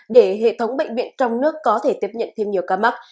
để hệ thống bệnh viện trong nước có thể tiếp nhận thêm nhiều ca mắc